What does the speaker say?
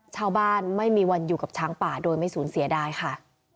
ชาวบ้านไม่มีวันอยู่กับช้างป่าโดยไม่สูญเสียได้ค่ะ